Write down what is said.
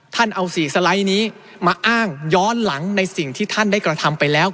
ท่านเอา๔สไลด์นี้มาอ้างย้อนหลังในสิ่งที่ท่านได้กระทำไปแล้ว